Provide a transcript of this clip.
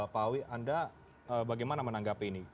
pak awi anda bagaimana menanggapi ini